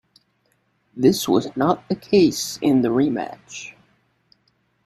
This was not the case in the rematch.